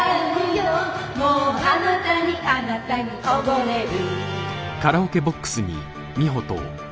「もうあなたにあなたにおぼれる」